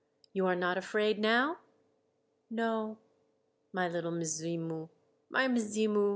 "You are not afraid, now?" "No." "My little Mzimu! My Mzimu!